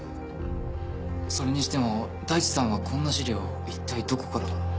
それにしても大地さんはこんな資料いったいどこから？